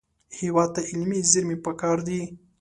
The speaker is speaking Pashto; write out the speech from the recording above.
هېواد ته علمي زېرمې پکار دي